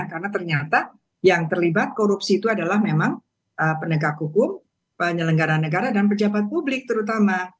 karena ternyata yang terlibat korupsi itu adalah memang penegak hukum penyelenggara negara dan pejabat publik terutama